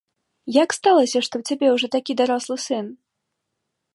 Як сталася, што ў цябе ўжо такі дарослы сын?